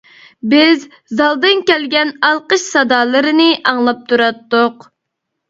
بىز زالدىن كەلگەن ئالقىش سادالىرىنى ئاڭلاپ تۇراتتۇق.